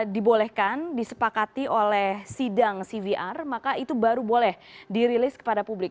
dibolehkan disepakati oleh sidang cvr maka itu baru boleh dirilis kepada publik